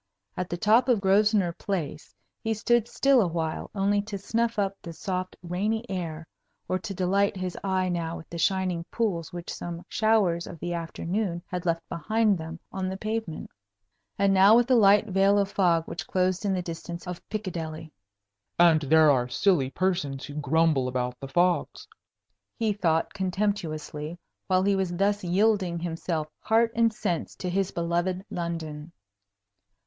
At the top of Grosvenor Place he stood still awhile only to snuff up the soft, rainy air, or to delight his eye now with the shining pools which some showers of the afternoon had left behind them on the pavement, and now with the light veil of fog which closed in the distance of Piccadilly. "And there are silly persons who grumble about the fogs!" he thought, contemptuously, while he was thus yielding himself heart and sense to his beloved London.